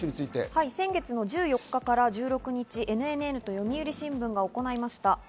先月１４日から１６日、ＮＮＮと読売新聞が行いました。